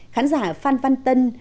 khán giả phan văn tân